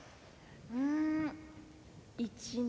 うん１年？